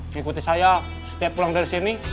diikuti saya setiap pulang dari sini